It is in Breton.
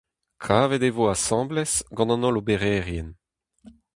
Kaset e vo asambles gant an holl obererien.